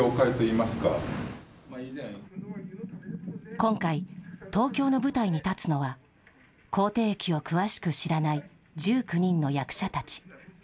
今回、東京の舞台に立つのは、口蹄疫を詳しく知らない１９人の役者たち。